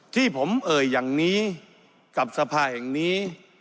ที่ผมเอ่ยอย่างนี้กับสภาแห่งนี้